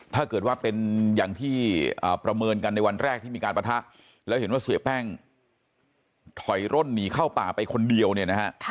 ถ้าเกิดว่าเป็นอย่างที่ประเมินกันในวันแรกที่มีการปะทะแล้วเห็นว่าเสียแป้งถอยร่นหนีเข้าป่าไปคนเดียวเนี่ยนะฮะ